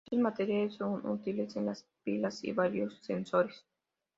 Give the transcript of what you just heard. Estos materiales son útiles en las pilas y varios sensores.